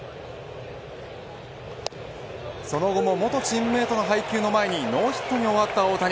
その後も、元チームメートの配球の前にノーヒットに終わった大谷。